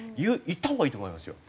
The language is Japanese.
言ったほうがいいと思いますよ。